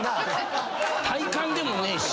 体感でもねえし。